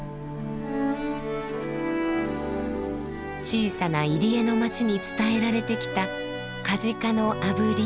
小さな入り江の町に伝えられてきた梶賀のあぶり。